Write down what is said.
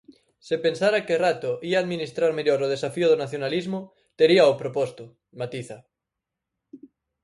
"Se pensara que Rato ía administrar mellor o desafío do nacionalismo, teríao proposto", matiza.